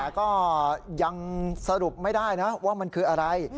แต่ก็ยังสรุปไม่ได้นะว่ามันคืออะไร